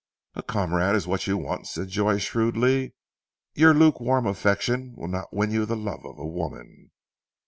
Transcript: "A comrade is what you want," said Joyce shrewdly. "Your luke warm affection will not win you the love of a woman."